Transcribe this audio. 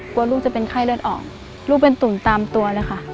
กลัวลูกจะเป็นไข้เลือดออกลูกเป็นตุ๋นตามตัวเลยค่ะ